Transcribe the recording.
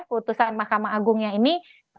putusan mahkamah agungnya ini